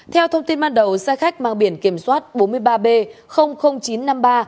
theo thông tin ban đầu xe khách mang biển kiểm soát bốn mươi ba b chín